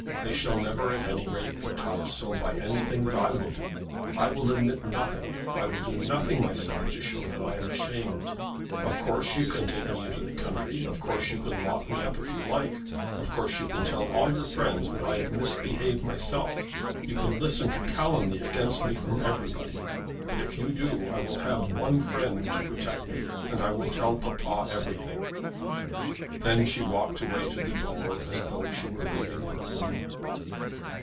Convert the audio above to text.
They shall never, at any rate, be taught so by anything that I will do. I will admit nothing. I will do nothing myself to show that I am ashamed. Of course you can take me into the country; of course you can lock me up if you like; of course you can tell all your friends that I have misbehaved myself; you can listen to calumny against me from everybody; but if you do I will have one friend to protect me, and I will tell papa everything." Then she walked away to the door as though she were leaving the room.